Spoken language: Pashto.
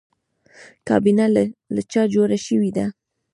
کابینه له چا جوړه شوې ده؟